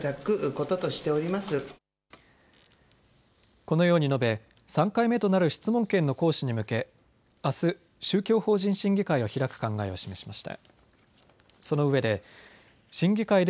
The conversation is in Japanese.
このように述べ、３回目となる質問権の行使に向けあす宗教法人審議会を開く考えを示しました。